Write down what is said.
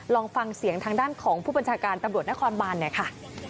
ลองฟังเสียงทางด้านของผู้บัญชาการตำรวจนครบานหน่อยค่ะ